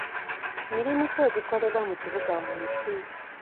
Mirimu ki egikolebwa mu kibuga wansi?